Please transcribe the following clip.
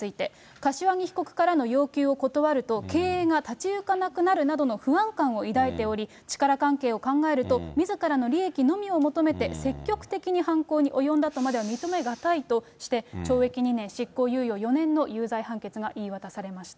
柏木被告からの要求を断ると、経営が立ち行かなくなるなどの不安感を抱いており、力関係を考えると、みずからの利益のみを求めて積極的に犯行に及んだとまでは認め難いとして、懲役２年執行猶予４年の有罪判決が言い渡されました。